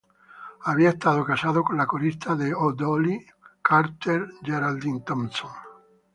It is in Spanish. Había estado casado con la corista de D'Oyly Carte Geraldine Thompson.